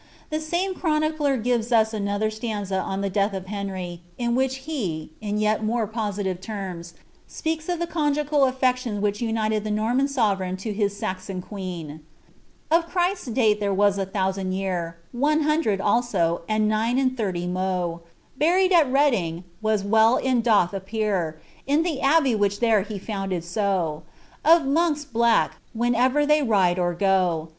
ne chronicler gives us another stanza on the death of Henry, ie, in yet more positive terms, speaks of the conjugal afiection ted the Norman sovereign to his Saxon queen :Of Christens date was there a thousand year, One hundred also, and nine and thirty mo, Buryed at Redynge, as well it doth appear, In the abbyo which there he founded so, Of monkes black, whenever they ride or go.